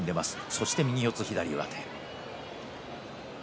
そして右四つ左上手。